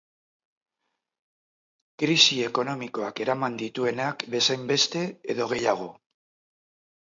Krisi ekonomikoak eraman dituenak bezainbeste, edo gehiago.